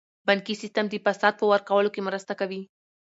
بانکي سیستم د فساد په ورکولو کې مرسته کوي.